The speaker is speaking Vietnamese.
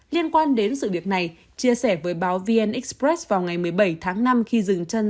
liên quan đến sự việc này chia sẻ với báo vn express vào ngày một mươi bảy tháng năm khi dừng chân